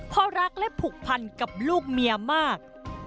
เพราะรักและผูกพันกับลูกเมียมาก